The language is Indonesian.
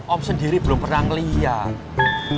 om sendiri belum pernah melihat